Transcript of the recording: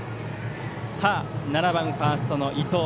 さあ、７番ファーストの伊藤。